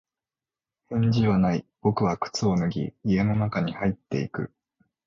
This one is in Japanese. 返事はない。僕は靴を脱ぎ、家の中に入っていく。